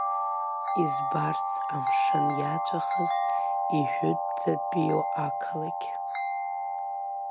Избарц амшын иаҵәахыз, ижәытәӡатәиу ақалақь.